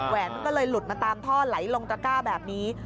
แหนมันก็เลยหลุดมาตามท่อไหลลงตระก้าแบบนี้